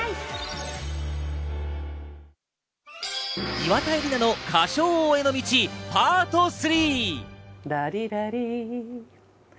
岩田絵里奈の歌唱王への道、パート３。